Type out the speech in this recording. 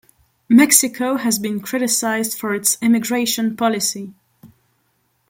Mexico has been criticized for its immigration policy.